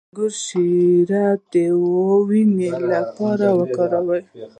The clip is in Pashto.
د انګور شیره د وینې لپاره وکاروئ